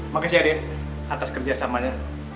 makasih ya den atas kerjasamanya